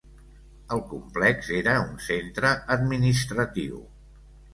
El complex era un centre administratiu.